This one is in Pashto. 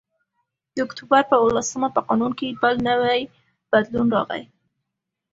د اکتوبر په اوولسمه په قانون کې بل نوی بدلون راغی